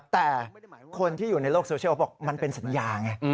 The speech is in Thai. แต่คนที่อยู่ในโลกโซเชียลบอกมันเป็นสัญญาไง